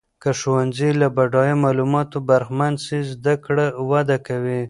که ښوونځۍ له بډایه معلوماتو برخمن سي، زده کړه وده کوي.